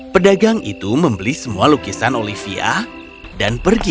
pedagang itu membeli semua lukisan olivia dan pergi